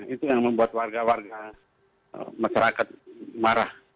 itu yang membuat warga warga masyarakat marah